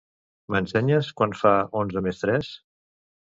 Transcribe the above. M'ensenyes quant fa onze més tres?